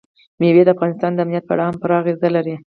مېوې د افغانستان د امنیت په اړه هم پوره اغېز لري.